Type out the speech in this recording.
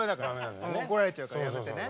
怒られちゃうからやめてね。